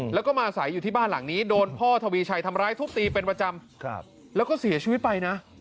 แล้วก็มาใส่อยู่ที่บ้านหลังนี้โดนพ่อทวีชัยทำร้ายทุบตีเป็นประจำแล้วก็เสียชีวิตไปนะ